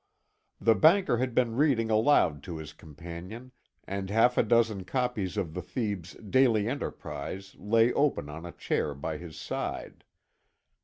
The banker had been reading aloud to his companion, and half a dozen copies of the Thebes Daily Enterprise lay open on a chair by his side.